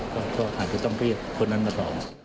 ก็อาจจะต้องเรียกคนนั้นมาสอบ